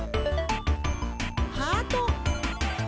ハート！